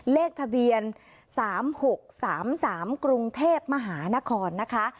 เลขทะเบียน๓๖๓๓กรุงเทพมหานครนะคะ